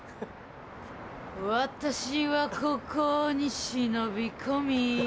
私はここに忍び込み